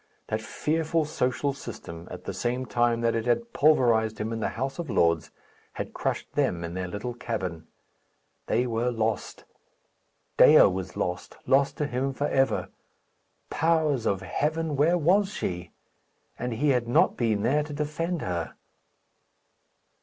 That fearful social system, at the same time that it had pulverized him in the House of Lords, had crushed them in their little cabin. They were lost; Dea was lost lost to him for ever. Powers of heaven! where was she? And he had not been there to defend her!